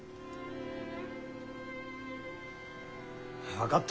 分かった。